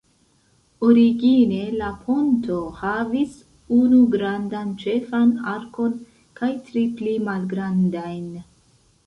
Origine la ponto havis unu grandan ĉefan arkon kaj tri pli malgrandajn.